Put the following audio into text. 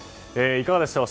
いかがでしょう